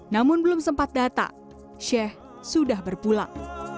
namun belum sempat datang sheikh sudah berpulang